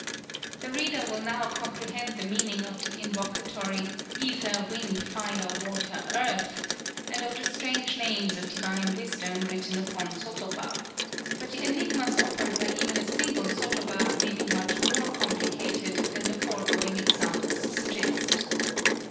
The reader will now comprehend the meaning of the invocatory "Ether, Wind, Fire, Water, Earth!" and of the strange names of divine wisdom written upon sotoba; but the enigmas offered by even a single sotoba may be much more complicated than the foregoing examples suggest.